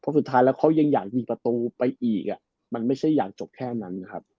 เพราะสุดท้ายแล้วเขายังอยากยิงประตูไปอีกมันไม่ใช่อยากจบแค่นั้นนะครับ